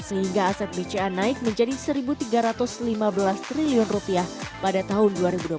sehingga aset bca naik menjadi rp satu tiga ratus lima belas triliun pada tahun dua ribu dua puluh